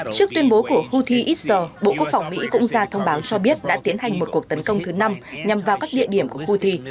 trước tuyên bố của houthi ít giờ bộ quốc phòng mỹ cũng ra thông báo cho biết đã tiến hành một cuộc tấn công thứ năm nhằm vào các địa điểm của houthi